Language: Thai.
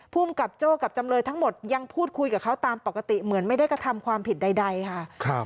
ภูมิกับโจ้กับจำเลยทั้งหมดยังพูดคุยกับเขาตามปกติเหมือนไม่ได้กระทำความผิดใดค่ะ